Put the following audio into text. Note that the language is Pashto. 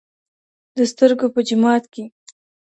د سترګو په جومات كي